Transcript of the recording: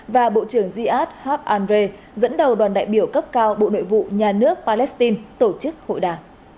và bộ trưởng ziad hab andre dẫn đầu đoàn đại biểu cấp cao bộ đội vụ nhà nước palestine tổ chức hội đà